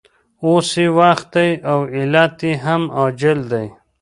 اوس یې وخت دی او علت یې هم عاجل دی